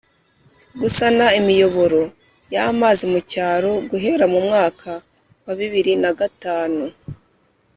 gusana imiyoboro y'amazi mu cyaro guhera mu mwaka wa bibiri na agatanu